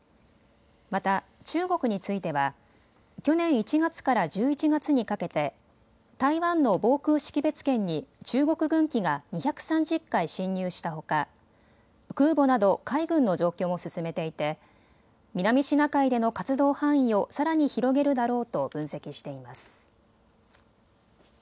また、中国については去年１月から１１月にかけて台湾の防空識別圏に中国軍機が２３０回進入したほか空母など海軍の増強も進めていて南シナ海での活動範囲をさらに広げるだろうと分析しています。